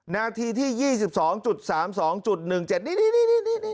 นาทีที่๒๒๓๒๑๗นี่